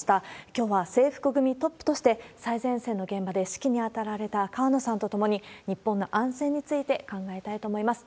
きょうは制服組トップとして、最前線の現場で指揮に当たられた河野さんと共に、日本の安全について考えたいと思います。